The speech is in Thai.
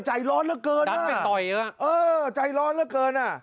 ใจร้อนเหลือเกินมันไปต่อยอ่ะเออใจร้อนเหลือเกินอ่ะ